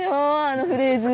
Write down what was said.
あのフレーズ。